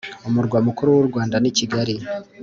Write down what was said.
Umurwa mukuru wurwanda ni Kigali